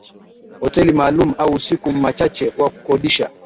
hoteli maalum au usiku machache wa kukodisha